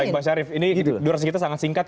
baik bang syarif ini durasi kita sangat singkat